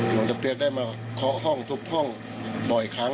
หลวงตับเปรียสได้มาข้อห้องทุบห้องบ่อยครั้ง